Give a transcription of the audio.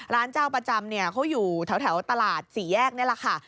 ร้านเจ้าประจำเนี่ยเขาอยู่แถวตลาดสี่แยกนี่แหละค่ะ